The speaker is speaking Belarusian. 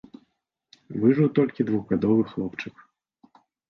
Выжыў толькі двухгадовы хлопчык.